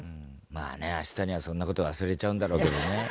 まあね明日にはそんなこと忘れちゃうんだろうけどね。